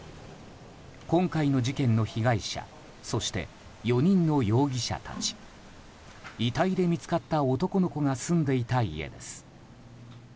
今回の事件の被害者そして４人の容疑者たち遺体で見つかった男の子が住んでいた家です。